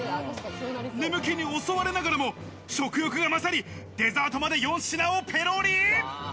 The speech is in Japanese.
眠気に襲われながらも、食欲は勝り、デザートまで４品をペロリ。